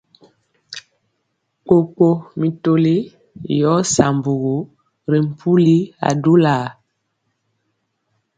Kpokpo mi toli yɔɔ sambugu ri mpuli adulaa.